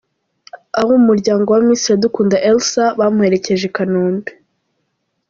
Abo mu muryango wa Miss Iradukunda Elsa bamuherekeje i Kanombe.